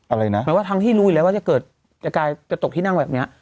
อะไรนะหมายว่าทั้งที่รู้อยู่แล้วว่าจะเกิดจะกลายกระจกที่นั่งแบบเนี้ย